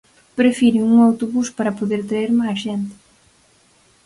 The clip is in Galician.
Prefiren un autobús para poder traer máis xente.